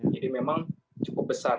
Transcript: jadi memang cukup besar